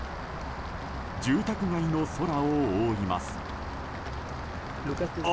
住宅街の空を覆います。